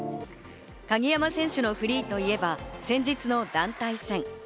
鍵山選手のフリーといえば、先日の団体戦。